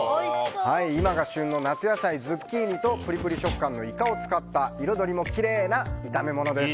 今が旬の夏野菜ズッキーニとプリプリ食感のイカを使った彩りもきれいな炒め物です。